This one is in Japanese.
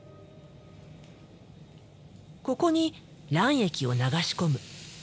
ここに卵液を流し込む。